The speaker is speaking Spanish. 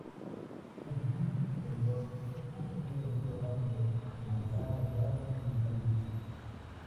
En su curso superior es un pequeño río rápido de montaña de aguas cristalinas.